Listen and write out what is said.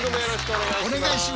お願いします。